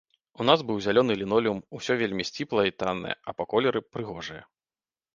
У нас быў зялёны лінолеум, усё вельмі сціплае і таннае, а па колеры прыгожае.